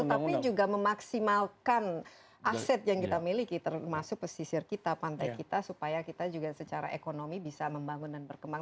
tapi juga memaksimalkan aset yang kita miliki termasuk pesisir kita pantai kita supaya kita juga secara ekonomi bisa membangun dan berkembang